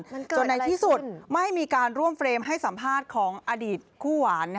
จนในที่สุดไม่มีการร่วมเฟรมให้สัมภาษณ์ของอดีตคู่หวาน